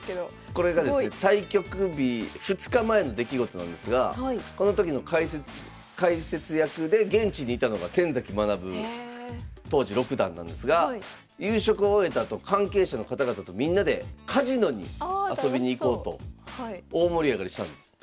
これがですね対局日２日前の出来事なんですがこの時の解説役で現地にいたのが先崎学当時六段なんですが夕食を終えたあと関係者の方々とみんなでカジノに遊びに行こうと大盛り上がりしたんです。